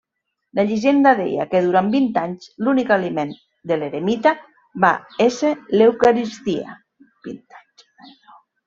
La llegenda deia que durant vint anys l'únic aliment de l'eremita va ésser l'Eucaristia.